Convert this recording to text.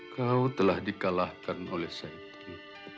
kau telah dikalahkan oleh saidri